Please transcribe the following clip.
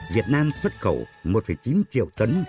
việt nam xuất khẩu một chín triệu tấn